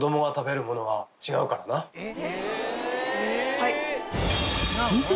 はい。